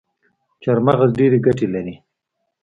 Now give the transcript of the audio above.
چارمغز ډیري ګټي لري